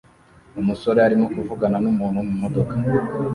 Umusore arimo kuvugana numuntu mumodoka